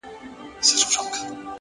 پوهه د غوره راتلونکي زینه ده؛